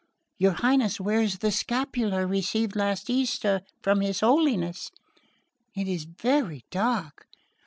your Highness wears the scapular received last Easter from his Holiness...It is very dark...